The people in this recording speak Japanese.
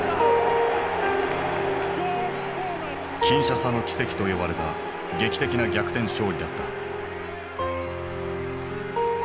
「キンシャサの奇跡」と呼ばれた劇的な逆転勝利だった。